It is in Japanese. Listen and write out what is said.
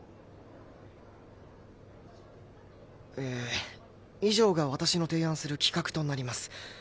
えー以上が私の提案する企画となります。